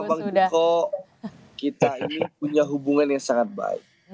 sama bang joko kita ini punya hubungan yang sangat baik